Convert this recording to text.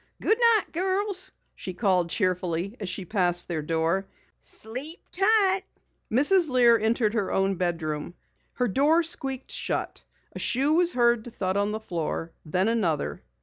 "Good night, girls," she called cheerfully as she passed their door. "Sleep tight." Mrs. Lear entered her own bedroom. Her door squeaked shut. A shoe was heard to thud on the floor, then another.